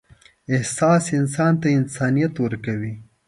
احساس انسان ته انسانیت ورکوي.